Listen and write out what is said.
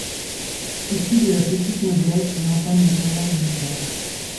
Issu de la petite noblesse, il entame une carrière militaire.